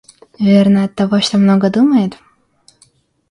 Верно, оттого, что много думает?